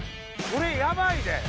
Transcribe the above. これ、やばいで。